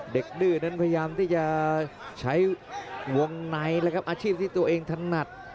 ดื้อนั้นพยายามที่จะใช้วงในแล้วครับอาชีพที่ตัวเองถนัด